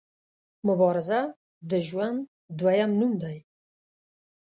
مبارزه د ژوند دویم نوم دی.